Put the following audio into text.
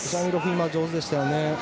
今、上手でしたね。